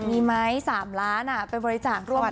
มีไหม๓ล้านอ่ะเป็นบริจาคร่วมกับเขา